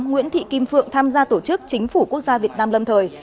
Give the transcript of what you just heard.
nguyễn thị kim phượng tham gia tổ chức chính phủ quốc gia việt nam lâm thời